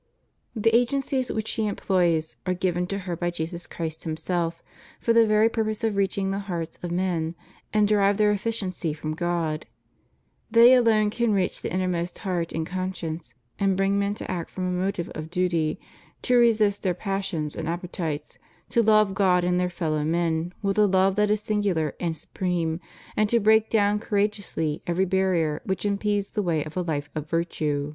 The agencies which she employs are given to her by Jesus Christ Himself for the very purpose of reaching the hearts of men, and derive their efficiency from God. They alone can reach the innermost heart and conscience, and bring men to act from a motive of duty, to resist their passions and appetites, to love God and their fellow men with a love that is singular and supreme, and to break down courage ously every barrier which impedes the way of a life of virtue.